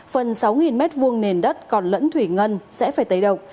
phần sáu m hai nền đất còn lẫn thủy ngân sẽ phải tấy độc